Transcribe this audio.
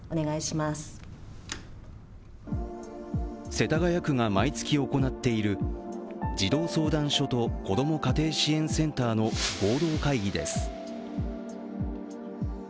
世田谷区が毎月行っている児童相談所と子ども家庭支援センターの合同会議です。